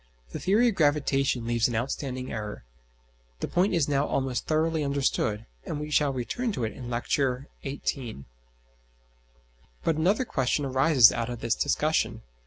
The theory of gravitation leaves an outstanding error. (The point is now almost thoroughly understood, and we shall return to it in Lecture XVIII). But another question arises out of this discussion.